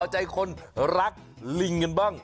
เจ้าลิงตอบใจคนรักลิงกันบ้าง